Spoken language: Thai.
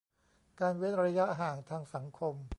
การเว้นระยะห่างทางสังคม